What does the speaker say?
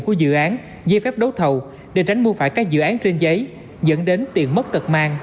của dự án dây phép đấu thầu để tránh mua phải các dự án trên giấy dẫn đến tiền mất tật mang